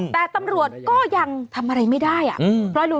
เบิร์ตลมเสียโอ้โห